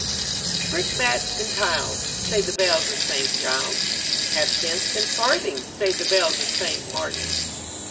'* Brickbats and tiles," Say the bells of St. Giles'. ''Halfpence and farthings," Say the bells of St, Martin's.